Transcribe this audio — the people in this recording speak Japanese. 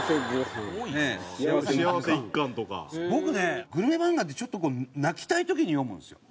僕ねグルメ漫画ってちょっとこう泣きたい時に読むんですよ。